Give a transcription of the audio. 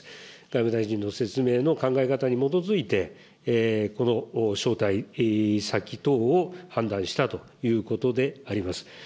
外務大臣の説明の考え方に基づいて、この招待先等を判断したということであります。